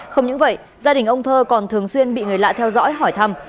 không những vậy gia đình ông thơ còn thường xuyên bị người lạ theo dõi hỏi thăm